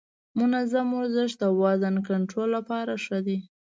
منظم ورزش د وزن کنټرول لپاره ښه دی.